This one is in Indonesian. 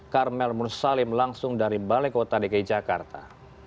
karmel mursalim langsung dari balai kota dki jakarta